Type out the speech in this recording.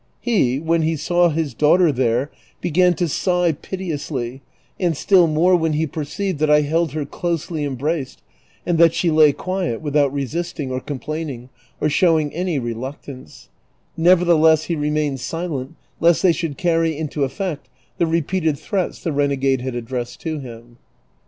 He, when he saw his daughter there, began to sigh piteously, and still more when lie perceived that I held her closely embraced and that she lay quiet without resisting or com plaining, or showing any reluctance; nevertheless he remained silent lest they should carry into effect the repeated threats the renegade had addressed to him.